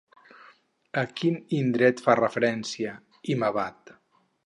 A quin indret fa referència Hima-vat?